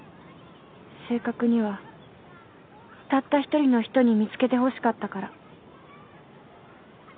正確にはたった一人の人に見つけてほしかったから。